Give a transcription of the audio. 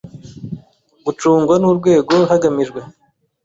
gacungwa n Urwego hagamijwe